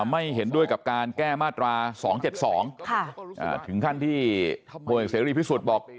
ไม่เห็นด้วยกับการแก้มาตรา๒๗๒ถึงขั้นที่พลเอกเสรีพิสุทธิ์บอก